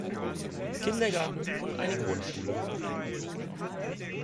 Kindergarten und eine Grundschule.